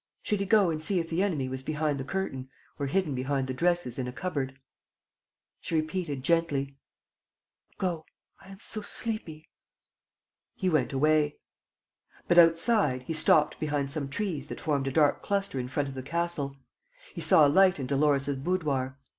Should he go and see if the enemy was behind the curtain or hidden behind the dresses in a cupboard? She repeated, gently: "Go ... I am so sleepy. ..." He went away. But, outside, he stopped behind some trees that formed a dark cluster in front of the castle. He saw a light in Dolores' boudoir.